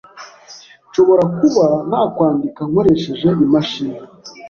nshobora kuba nakwandika nkoresheje imashini ,